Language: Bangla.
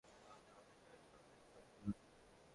তোমার মধ্যে হতাশা আর ক্রোধের সঞ্চার ঘটে।